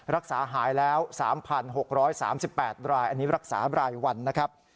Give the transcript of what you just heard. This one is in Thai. รักษาหายแล้ว๓๖๓๘รายอันนี้รักษารายวันนะครับ